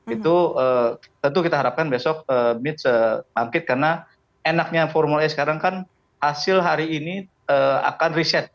itu tentu kita harapkan besok mits bangkit karena enaknya formula e sekarang kan hasil hari ini akan riset